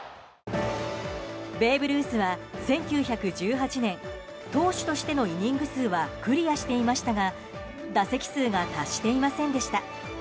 ベーブ・ルースは１９１８年投手としてのイニング数はクリアしていましたが打席数が達していませんでした。